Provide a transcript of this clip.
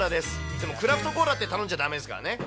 でもクラフトコーラって頼んじゃだめですからね。